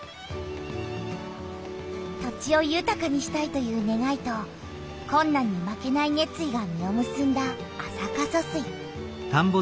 土地をゆたかにしたいというねがいとこんなんに負けないねつ意が実をむすんだ安積疏水。